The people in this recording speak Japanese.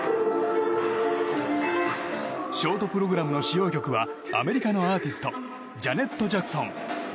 ショートプログラムの使用曲はアメリカのアーティストジャネット・ジャクソン。